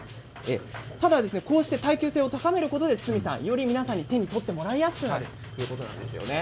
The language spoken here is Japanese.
こうした耐久性を高めることでより皆さんに手に取ってもらいやすくなるということですね。